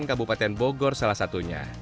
di kecamatan bogor salah satunya